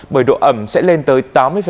bởi độ ẩm sẽ lên tới tám mươi